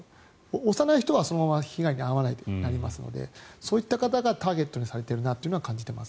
押さない人は、そのまま被害に遭わないとなりますのでそういった方がターゲットにされているなとは感じています。